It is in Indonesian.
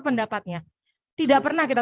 pendapatnya tidak pernah kita